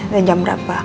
dan jam berapa